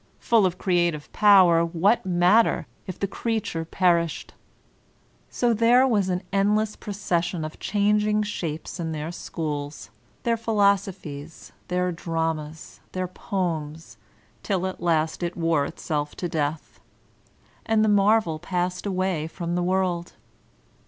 Full of creative power, what matter if the creature per ished. So there was an endless procession of changing shapes in their schools, their philosophies, their dramas, their poems, till at last it wore itself to death. And the marvel passed away from the world.